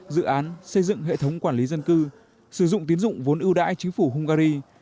dự án xây dựng hệ thống quản lý dân cư sử dụng tiến dụng vốn ưu đãi chính phủ hungary